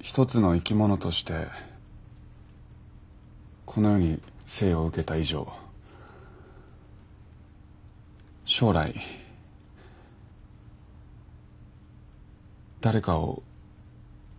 一つの生き物としてこの世に生を受けた以上将来誰かを真剣に愛してください。